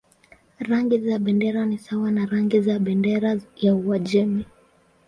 Rangi za bendera ni sawa na rangi za bendera ya Uajemi.